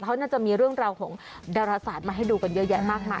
เขาน่าจะมีเรื่องราวของดาราศาสตร์มาให้ดูกันเยอะแยะมากมาย